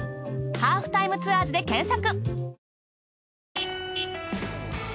『ハーフタイムツアーズ』で検索。